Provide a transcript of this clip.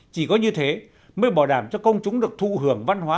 chỉ có như thế mới bảo đảm cho công chúng được thụ hưởng văn hóa